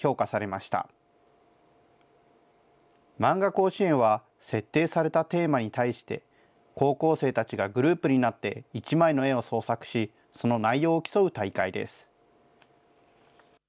まんが甲子園は、設定されたテーマに対して、高校生たちがグループになって１枚の絵を創作し、その内容を競う大会です。